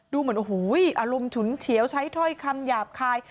ดูเหมือนอารมณ์ฉุนเฉียวใช้ถอยคำหยาบคาย